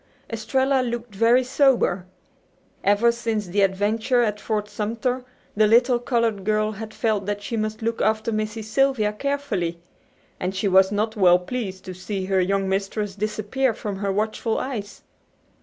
Estralla looked very sober. Ever since the adventure at Fort Sumter the little colored girl had felt that she must look after Missy Sylvia carefully. And she was not well pleased to see her young mistress disappear from her watchful eyes.